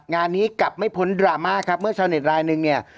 งานนี้กลับไม่พ้นดราม่าครับเมื่อชาวเน็ตรายนึงเนี่ย